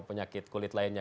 penyakit kulit lainnya